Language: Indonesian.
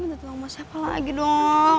gue gak tau sama siapa lagi dong